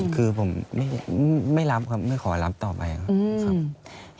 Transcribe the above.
คือผมไม่รับครับไม่ขอรับต่อไปครับ